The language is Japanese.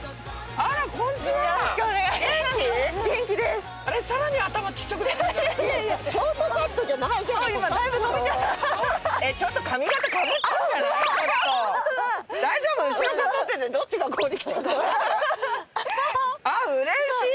あっうれしい！